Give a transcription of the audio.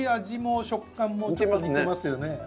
味も食感も似てますよね。